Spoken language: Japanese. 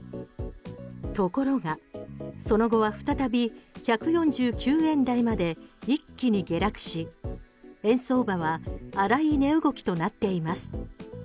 ところが、その後は再び１４９円台まで一気に下落し円相場は荒い値動きとなっています。